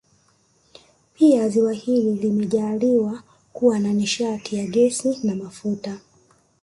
Pia ziwa hili limejaaliwa kuwa na nishati ya gesi na mafuta